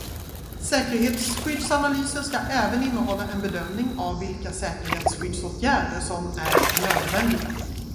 Säkerhetsskyddsanalysen ska även innehålla en bedömning av vilka säkerhetsskyddsåtgärder som är nödvändiga.